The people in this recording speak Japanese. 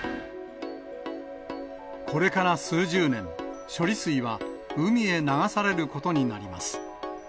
これから数十年、処理水は海へ流されることになります。